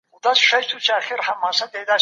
څوک غواړي واردات په بشپړ ډول کنټرول کړي؟